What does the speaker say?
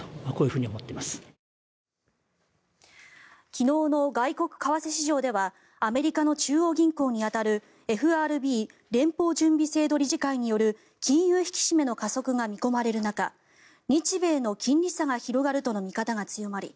昨日の外国為替市場ではアメリカの中央銀行に当たるＦＲＢ・連邦準備制度理事会による金融引き締めの加速が見込まれる中日米の金利差が広がるとの見方が強まり